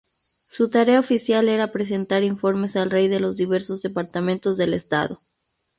Su tarea oficial era presentar informes al rey de los diversos departamentos del Estado.